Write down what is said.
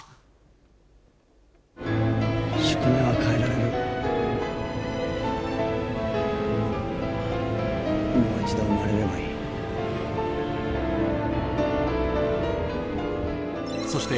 宿命は変えられるもう一度生まれればいいそして